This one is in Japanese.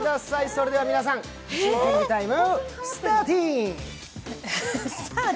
それでは皆さんシンキングタイムスターティン。